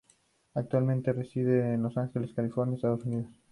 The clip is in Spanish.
Actualmente reside en Los Ángeles, California, Estados Unidos.